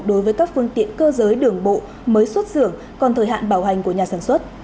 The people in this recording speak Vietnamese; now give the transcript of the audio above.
đối với các phương tiện cơ giới đường bộ mới xuất xưởng còn thời hạn bảo hành của nhà sản xuất